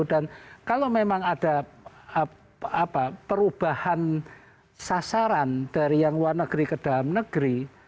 dan kalau memang ada perubahan sasaran dari yang luar negeri ke dalam negeri